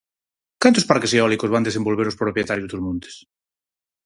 ¿Cantos parques eólicos van desenvolver os propietarios dos montes?